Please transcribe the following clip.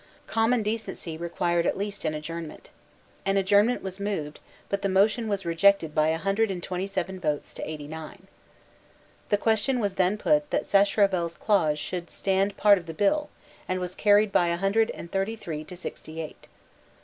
Common decency required at least an adjournment. An adjournment was moved: but the motion was rejected by a hundred and twenty seven votes to eighty nine. The question was then put that Sacheverell's clause should stand part of the bill, and was carried by a hundred and thirty three to sixty eight.